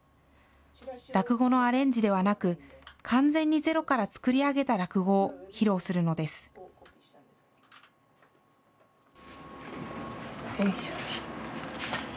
落語のアレンジではなく、完全にゼロから作り上げた落語を披露するのです。